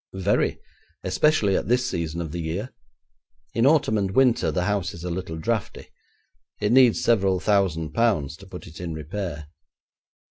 'Very; especially at this season of the year. In autumn and winter the house is a little draughty. It needs several thousand pounds to put it in repair.'